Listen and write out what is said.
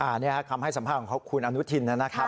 อันนี้คำให้สัมภาษณ์ของคุณอนุทินนะครับ